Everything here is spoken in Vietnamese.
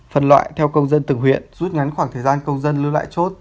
phần loại theo công dân từng huyện rút ngắn khoảng thời gian công dân lưu lại chốt